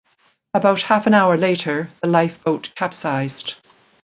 About half an hour later the lifeboat capsized.